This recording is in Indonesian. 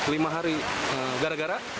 lima hari gara gara